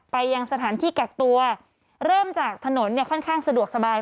ไปยังสถานที่กักตัวเริ่มจากถนนเนี่ยค่อนข้างสะดวกสบาย